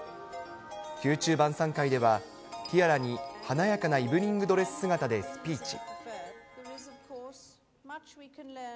宮中晩さん会では、ティアラに華やかなイブニングドレス姿でスピーチ。